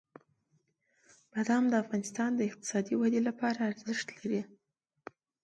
بادام د افغانستان د اقتصادي ودې لپاره ارزښت لري.